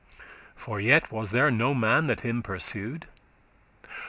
For yet was there no man that him pursu'd.